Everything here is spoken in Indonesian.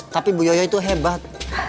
tapi bu yoyo itu hebat